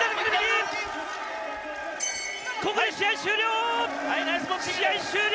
ここで試合終了。